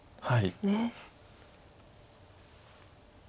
はい。